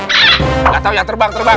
nggak tau ya terbang terbang